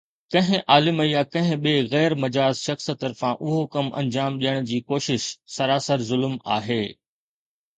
ڪنهن عالم يا ڪنهن ٻئي غير مجاز شخص طرفان اهو ڪم انجام ڏيڻ جي ڪوشش سراسر ظلم آهي.